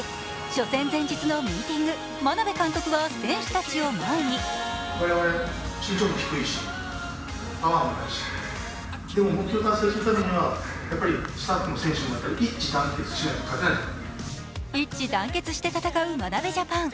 初戦前日のミーティング、眞鍋監督は選手たちを前に一致団結して戦う眞鍋ジャパン。